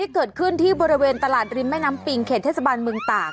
เกิดขึ้นที่บริเวณตลาดริมแม่น้ำปิงเขตเทศบาลเมืองตาก